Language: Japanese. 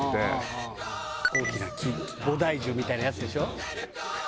大きな木菩提樹みたいなやつでしょ？